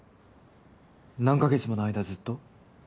何か月もの間ずっと？